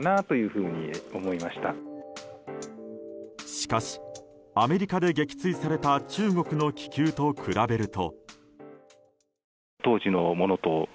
しかし、アメリカで撃墜された中国の気球と比べると。